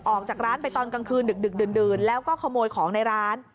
ออกจากร้านไปตอนกลางคืนดึกดื่นแล้วก็ขโมยของในร้าน